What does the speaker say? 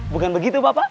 bukan begitu pak pak